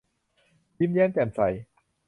ยิ้มแย้มแจ่มใส